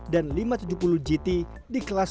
dan lima ratus tujuh puluh gt di kelas